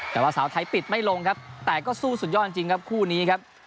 แต่ว่าสาวไทยปิดไม่ลงครับแต่ก็สู้สุดยอดจริงครับคู่นี้ครับ